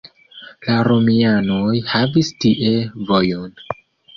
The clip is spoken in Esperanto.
La romianoj havis tie vojon.